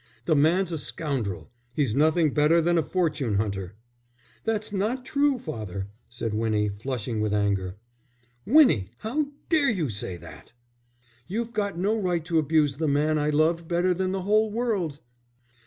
The man's a scoundrel; he's nothing better than a fortune hunter." "That's not true, father," said Winnie, flushing with anger. "Winnie, how dare you say that!" "You've got no right to abuse the man I love better than the whole world.